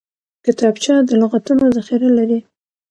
کتابچه د لغتونو ذخیره لري